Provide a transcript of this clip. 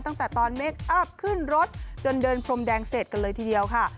ตั้งแต่ตอนเมคอัพขึ้นรถจนเดินพรมแดงเสร็จกันเลยทีเดียวค่ะ